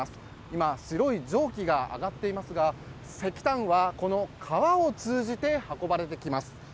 今、白い蒸気が上がっていますが石炭は、この川を通じて運ばれてきます。